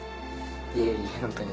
いえいえホントに。